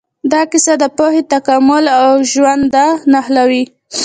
دا کیسه د پوهې، تکامل او ژونده نښلوي.